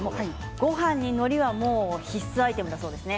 ごはんにのりは必須アイテムだそうですね。